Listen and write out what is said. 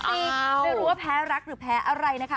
ไม่รู้ว่าแพ้รักหรือแพ้อะไรนะคะ